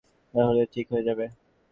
Union হলেই যেন সব ঠিক হয়ে যাবে।